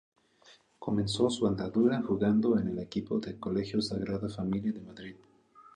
Comenzó su andadura jugando en el equipo del colegio Sagrada Familia de Madrid.